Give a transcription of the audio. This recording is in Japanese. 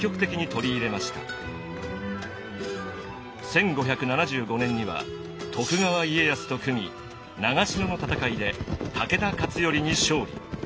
１５７５年には徳川家康と組み長篠の戦いで武田勝頼に勝利。